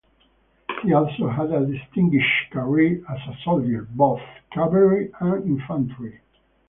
He also had a distinguished career as a soldier, both cavalry and infantry.